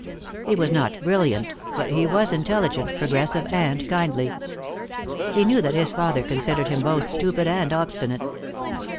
He was not brilliant, but he was intelligent, progressive and kindly. He knew that his father considered him both stupid and obstinate.